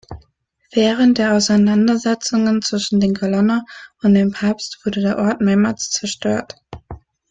Während der Auseinandersetzungen zwischen den Colonna und dem Papst wurde der Ort mehrmals zerstört.